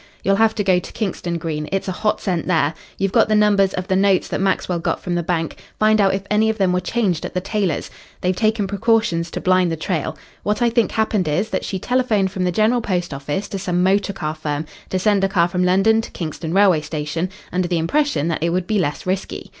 "You'll have to go to Kingston, Green. It's a hot scent there. You've got the numbers of the notes that Maxwell got from the bank. Find out if any of them were changed at the tailor's. They've taken precautions to blind the trail. What I think happened is, that she telephoned from the General Post Office to some motor car firm to send a car from London to Kingston railway station, under the impression that it would be less risky.